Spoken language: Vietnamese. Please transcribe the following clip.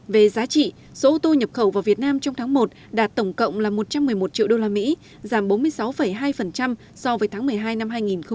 về giá trị số ô tô nhập khẩu vào việt nam trong tháng một đạt tổng cộng là một trăm một mươi một triệu usd giảm bốn mươi sáu hai so với tháng một mươi hai năm hai nghìn một mươi chín